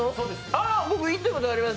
ああ、僕行ったことあります。